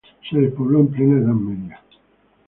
Se despobló en plena Edad Media.